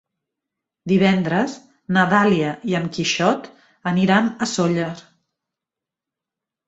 Divendres na Dàlia i en Quixot aniran a Sóller.